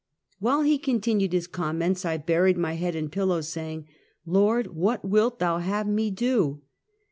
"While he continued his comments, I buried my head in pillows, saying, " Lord what wilt thou have me to do?"